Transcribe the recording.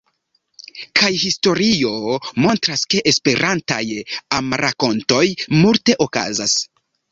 Kaj historio montras ke Esperantaj amrakontoj multe okazas.